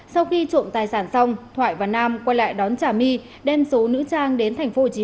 sau khi trộn tài sản xong thoại và nam quay lại đón trả mi đem số nữ trang đến thành phố hồ chí